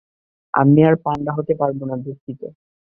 আমি আর পান্ডা হতে পারব না, দুঃখিত।